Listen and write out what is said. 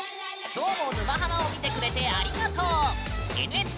今日も「沼ハマ」を見てくれてありがとう！